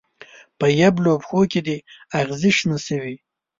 په یبلو پښو کې دې اغزې شنه شوي